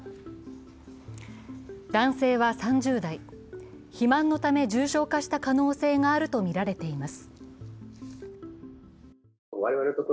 男性は３０代、肥満のため重症化した可能性があるとみられています。